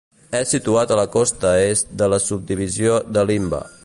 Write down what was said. És situat a la costa est de la subdivisió de Limbe.